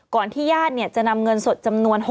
ที่ญาติจะนำเงินสดจำนวน